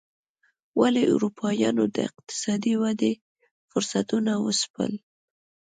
ولې اروپایانو د اقتصادي ودې فرصتونه وځپل.